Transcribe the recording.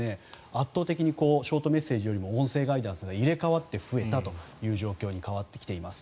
圧倒的にショートメッセージよりも音声ガイダンスが入れ替わって増えたという状況に変わってきています。